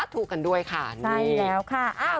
ถูกกันด้วยค่ะใช่แล้วค่ะ